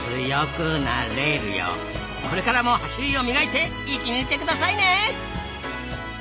これからも走りを磨いて生き抜いてくださいね！